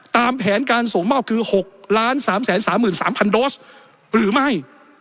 ตามแผนการส่งมอบคือ๖๓๓๓๐๐โดสหรือไม่